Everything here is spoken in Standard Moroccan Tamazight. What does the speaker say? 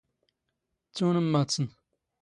ⵜⵜⵓⵏ ⵎⵎⴰⵜⵙⵏ.